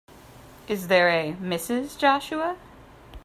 Is there a Mrs. Joshua?